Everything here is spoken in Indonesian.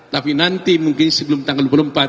tapi nanti mungkin sebelum tanggal dua puluh empat